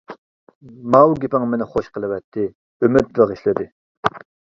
-ماۋۇ گېپىڭ مېنى خوش قىلىۋەتتى، ئۈمىد بېغىشلىدى.